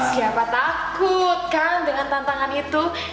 siapa takut kan dengan tantangan itu